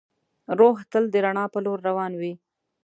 روح تل د رڼا په لور روان وي.